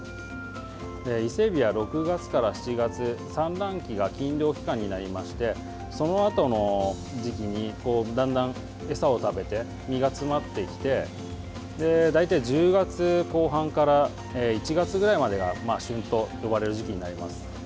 伊勢えびは６月から７月産卵期が禁漁期間になりましてそのあとの時期にだんだん餌を食べて身が詰まってきて大体１０月後半から１月ぐらいまでが旬と呼ばれる時期になります。